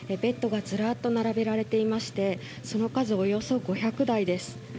ベッドがずらっと並べられていましてその数およそ５００台です。